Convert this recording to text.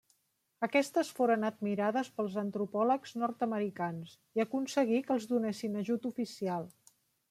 Aquestes foren admirades pels antropòlegs nord-americans, i aconseguí que els donessin ajut oficial.